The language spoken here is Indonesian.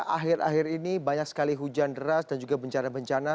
akhir akhir ini banyak sekali hujan deras dan juga bencana bencana